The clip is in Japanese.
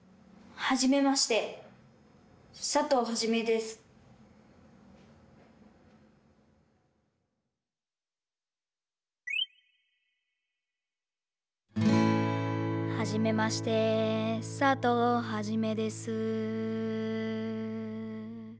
「はじめまして佐藤はじめです」